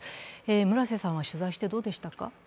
村瀬さんは取材して、どうでしたか？